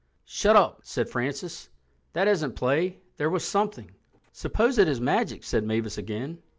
"Shut up," said Francis. "That isn't play. There was something." "Suppose it is magic," said Mavis again.